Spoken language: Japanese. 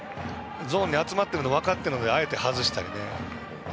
ゾーンに集まっているのが分かってあえて外したり。